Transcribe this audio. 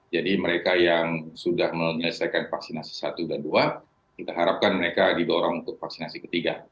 jadi mereka yang sudah menyelesaikan vaksinasi satu dan dua kita harapkan mereka didorong untuk vaksinasi ketiga